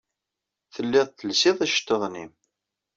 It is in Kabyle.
Tellid telsid iceḍḍiḍen-nnem.